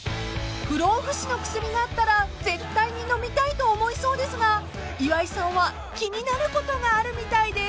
［不老不死の薬があったら絶対に飲みたいと思いそうですが岩井さんは気になることがあるみたいです］